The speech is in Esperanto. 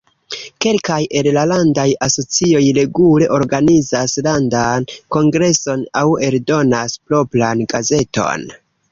Kelkaj el la landaj asocioj regule organizas landan kongreson aŭ eldonas propran gazeton.